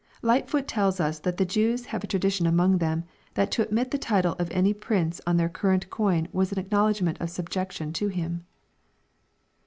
] Lightfoot tells us that the Jews have a tradition among them, that to admit the title of any prince on their current coin was an acknowledgment of subjection to him.